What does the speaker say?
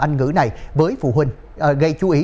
anh ngữ này với phụ huynh gây chú ý